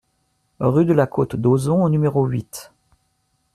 Rue de la Côte d'Oson au numéro huit